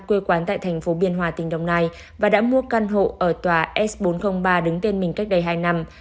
quê quán tại thành phố biên hòa tỉnh đồng nai và đã mua căn hộ ở tòa s bốn trăm linh ba đứng tên mình cách đây hai năm